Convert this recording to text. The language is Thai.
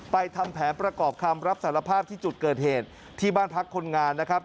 ทำแผนประกอบคำรับสารภาพที่จุดเกิดเหตุที่บ้านพักคนงานนะครับ